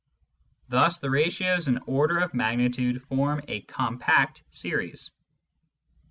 Thus the ratios in order of magnitude form a " compact " series.